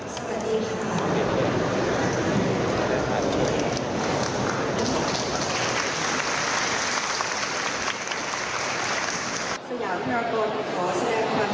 สยามภารกรขอแสดงความเสียใจของสินค้าลุง